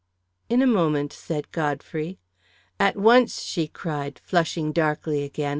"In a moment," said Godfrey. "At once!" she cried, flushing darkly again.